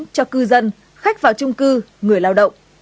cho cư dân khách vào trung cư người lao động